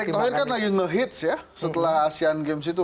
erik thohir kan lagi ngehits ya setelah asian games itu